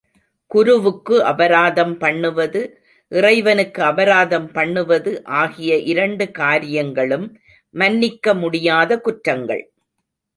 குருவுக்கு அபராதம் பண்ணுவது, இறைவனுக்கு அபராதம் பண்ணுவது ஆகிய இரண்டு காரியங்களும் மன்னிக்க முடியாத குற்றங்கள்.